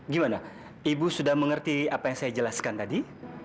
gimana ibu sudah mengerti apa yang saya jelaskan tadi